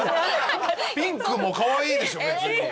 ピンクもかわいいでしょ別に。